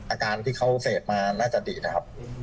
อาการที่เขาเสพมาน่าจะดีนะครับ